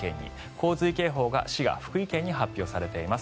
洪水警報が滋賀、福井県に発表されています。